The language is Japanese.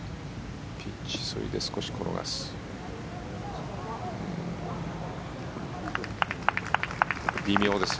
ピッチ過ぎて少し転がす。